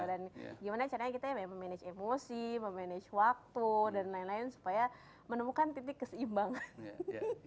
dan gimana caranya kita memanage emosi memanage waktu dan lain lain supaya menemukan titik keseimbangan